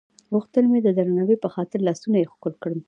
غوښتل مې د درناوي په خاطر لاسونه یې ښکل کړم.